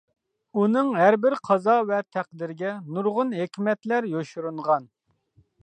ئۇنىڭ ھەربىر قازا ۋە تەقدىرىگە نۇرغۇن ھېكمەتلەر يوشۇرۇنغان.